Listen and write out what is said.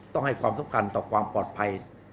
ต้องให้ความสำคัญต่อความปลอดภัย